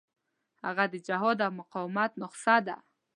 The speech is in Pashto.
هغه د جهاد او مقاومت نسخه ده.